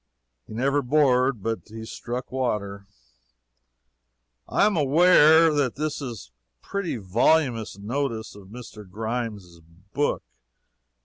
He never bored but he struck water. I am aware that this is a pretty voluminous notice of Mr. Grimes' book.